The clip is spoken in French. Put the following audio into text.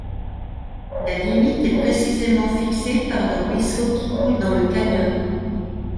La limite est précisément fixée par le ruisseau qui coule dans le canyon.